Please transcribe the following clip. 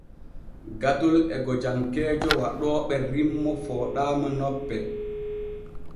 Gatol e gojankeejo waɗooɓe rimmo fooɗaama nope.